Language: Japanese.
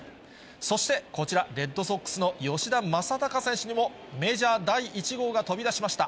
そしてこちら、レッドソックスの吉田正尚選手にも、メジャー第１号が飛び出しました。